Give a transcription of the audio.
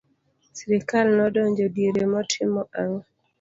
srikal nodonjo diere motimo ang'o?